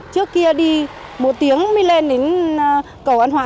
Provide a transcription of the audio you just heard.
trước kia đi một tiếng mới lên đến cầu an hòa